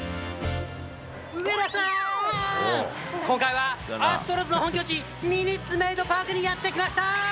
今回は、アストロズの本拠地、ミニッツメイド・パークにやって来ました。